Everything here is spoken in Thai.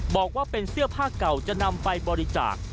บอกว่าเป็นเสื้อผ้าเก่าจะนำไปบริจาค